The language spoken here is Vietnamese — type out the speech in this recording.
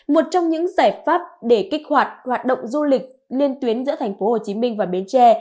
một trong những sẻ pháp để kích hoạt hoạt động du lịch liên tuyến giữa thành phố hồ chí minh và bến tre